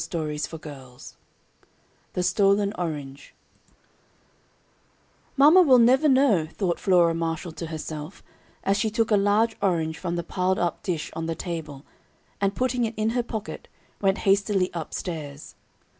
THE STOLEN ORANGE "Mamma will never know," thought Flora Marshall to herself, as she took a large orange from the piled up dish on the table, and, putting it in her pocket, went hastily up stairs.